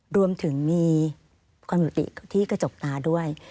รวมถึงมีความยุติที่กระจกตาด้วย